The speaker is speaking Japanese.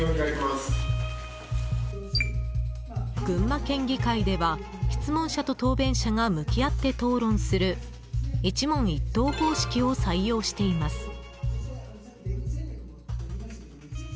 群馬県議会では質問者と答弁者が向き合って討論する一問一答方式を採用しています。